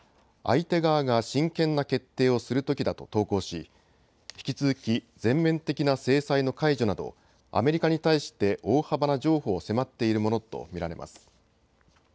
相手側が真剣な決定をするときだと投稿し、引き続き全面的な制裁の解除などアメリカに対して大幅な譲歩を迫っているものと見られます。